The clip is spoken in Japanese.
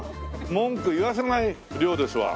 文句言わせない量ですわ。